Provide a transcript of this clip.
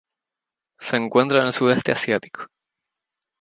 Se encuentra en el Sudeste asiático.